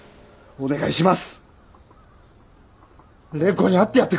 お願いします！